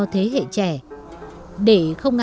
thế hệ trẻ để không